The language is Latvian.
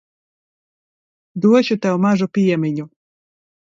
Došu tev mazu piemiņu.